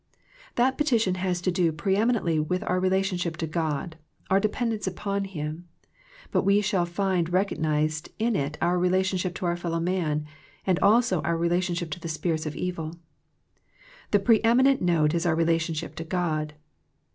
That petition has to do pre eminently with our relationship to God, our de pendence upon Him; but we shall find recog nized in it our relationship to our fellow man, and also our relationship to the spirits of evil. The preeminent note is our relationship to God.